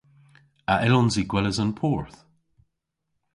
A yllons i gweles an porth?